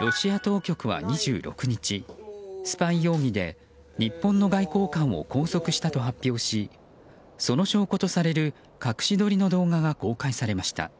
ロシア当局は２６日スパイ容疑で日本の外交官を拘束したと発表しその証拠とされる隠し撮りの動画が公開されました。